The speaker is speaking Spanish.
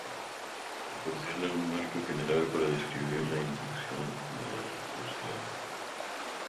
Proporcionan un marco general para describir la inducción y la recursión.